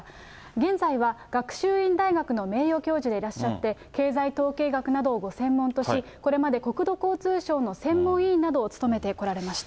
現在は学習院大学の名誉教授でいらっしゃって、経済統計学などをご専門とし、これまで国土交通省の専門委員などを務めてこられました。